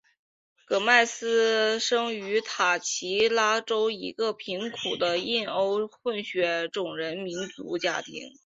戈麦斯生于塔奇拉州一个贫苦的印欧混血种人农民家庭。